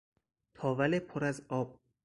تاول پر از آب